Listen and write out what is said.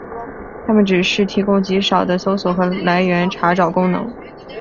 它们只提供极少的搜索和来源查找功能。